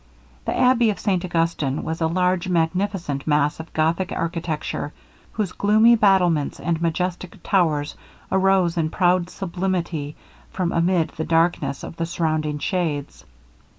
The abbey of St Augustin was a large magnificent mass of Gothic architecture, whose gloomy battlements, and majestic towers arose in proud sublimity from amid the darkness of the surrounding shades.